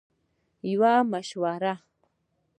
- یوه مشوره 💡